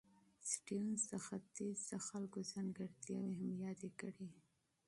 سټيونز د ختیځ د خلکو ځانګړتیاوې هم یادې کړې.